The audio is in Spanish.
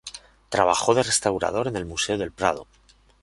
Trabajó de restaurador en el Museo del Prado.